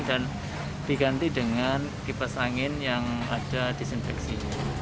dan diganti dengan kipas angin yang ada disinfeksi